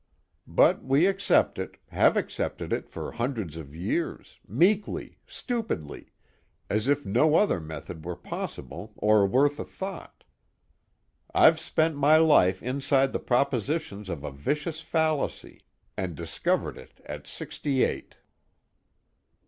But we accept it, have accepted it for hundreds of years, meekly, stupidly, as if no other method were possible or worth a thought. I've spent my life inside the propositions of a vicious fallacy, and discovered it at sixty eight."